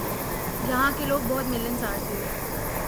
یہاں کے لوگ بہت ملنسار تھے ۔